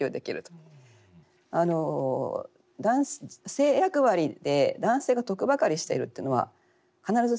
性役割で男性が得ばかりしているっていうのは必ずしもそうは言えない。